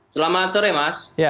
selamat sore mas